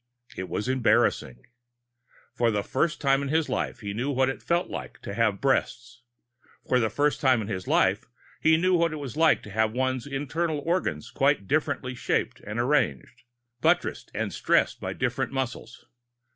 It was embarrassing. For the first time in his life, he knew what it felt like to have breasts. For the first time in his life, he knew what it was like to have one's internal organs quite differently shaped and arranged, buttressed and stressed by different muscles.